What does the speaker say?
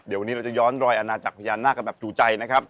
เดี๋ยววันนี้เราจะย้อนรอยอาณาจักรพญานาคกันแบบจูใจนะครับ